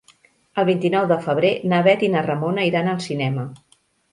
El vint-i-nou de febrer na Bet i na Ramona iran al cinema.